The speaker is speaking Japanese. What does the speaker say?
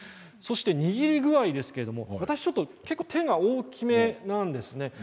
そして握り具合ですけれども私ちょっと手が大きめなんですね